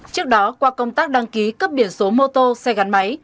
trước đó qua công tác đăng ký cấp biển số mô tô xe gắn máy